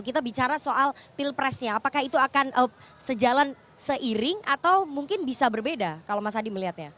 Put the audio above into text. kita bicara soal pilpresnya apakah itu akan sejalan seiring atau mungkin bisa berbeda kalau mas adi melihatnya